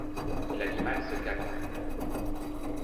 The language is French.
L’animal se cabra.